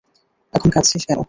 এখন কাঁদছিস কেন?